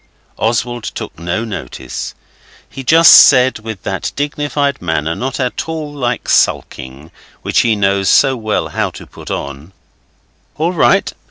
Oswald took no notice. He just said, with that dignified manner, not at all like sulking, which he knows so well how to put on 'All right.